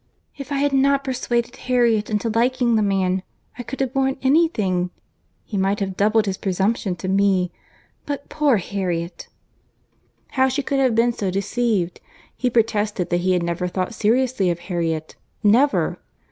"If I had not persuaded Harriet into liking the man, I could have borne any thing. He might have doubled his presumption to me—but poor Harriet!" How she could have been so deceived!—He protested that he had never thought seriously of Harriet—never!